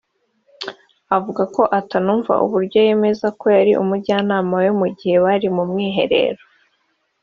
avuga ko atanumva uburyo yemeza ko yari umujyanama we mu gihe bari mu mwiherero